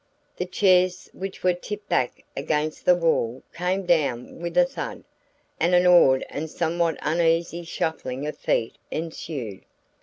The chairs which were tipped back against the wall came down with a thud, and an awed and somewhat uneasy shuffling of feet ensued.